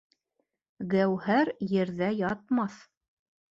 Гәүһәр ерҙә ятмаҫ.